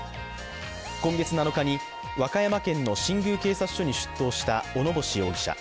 今月７日に和歌山県の新宮警察署に出頭した小野星容疑者。